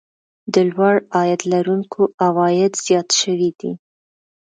د لوړ عاید لرونکو عوايد زیات شوي دي